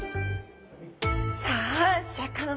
さあシャーク香音さま